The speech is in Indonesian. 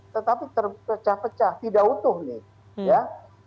tetapi terpecah pecah tidak utuh nih ya